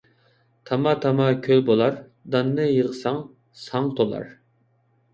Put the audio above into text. تاما - تاما كۆل بولار ، داننى يىغساڭ ساڭ تولار.